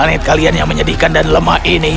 jangan lupa kalian yang menyedihkan dan lemah ini